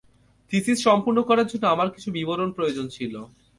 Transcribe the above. Thesis সম্পূর্ণ করার জন্য আমার কিছু বিবরণ প্রয়োজন ছিল।